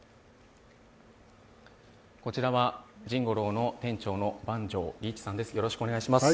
こちらは甚五朗の店長の番匠利一さんです。